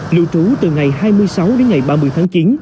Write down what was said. lưu trú từ ngày hai mươi sáu đến ngày ba mươi tháng chín